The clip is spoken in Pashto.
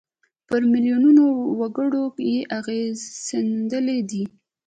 پر میلیونونو وګړو یې اغېز ښندلی دی.